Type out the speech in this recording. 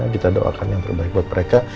kita doakan yang terbaik buat mereka